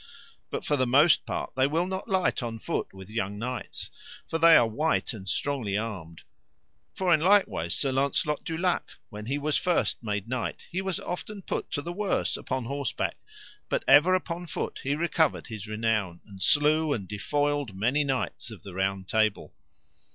But for the most part they will not light on foot with young knights, for they are wight and strongly armed. For in likewise Sir Launcelot du Lake, when he was first made knight, he was often put to the worse upon horseback, but ever upon foot he recovered his renown, and slew and defoiled many knights of the Round Table.